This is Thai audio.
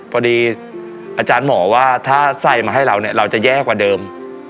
อาจารย์หมอว่าถ้าใส่มาให้เราเนี่ยเราจะแย่กว่าเดิม